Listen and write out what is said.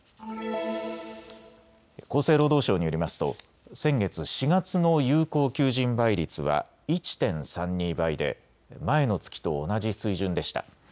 厚生労働省によりますと先月４月の有効求人倍率は１．３２倍で前の月と同じ水準でした。